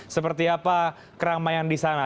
seperti apa keramaian di sana